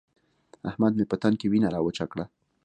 احمد مې په تن کې وينه راوچه کړه.